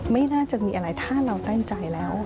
ไม่น่าจะมีอะไรถ้าเราตั้งใจแล้ว